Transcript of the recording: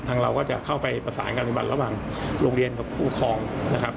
เราก็จะเข้าไปประสานการปฏิบัติระหว่างโรงเรียนกับผู้ครองนะครับ